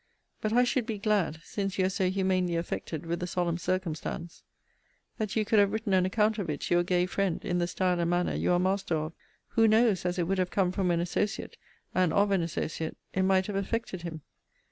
But I should be glad, since you are so humanely affected with the solemn circumstance, that you could have written an account of it to your gay friend, in the style and manner you are master of. Who knows, as it would have come from an associate, and of an associate, it might have affected him?